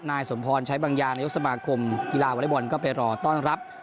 นายสมพรชัยบังญาณยกสมาคมกีฬาวัลยบอลก็ไปรอต้อนรับ